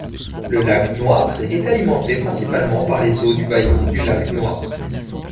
Le lac Noir est alimenté principalement par les eaux du bayou du lac Noir.